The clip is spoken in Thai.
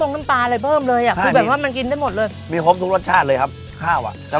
บอกได้เลยว่ากุ๊ยเตี๋ยวเส้นหมี่ไทยเราน่ะครับ